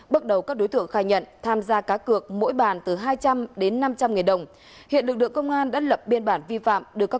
bắt đầu các đối tượng khai nhận tham gia cá cược mỗi bàn từ hai trăm linh đến năm trăm linh nghìn đồng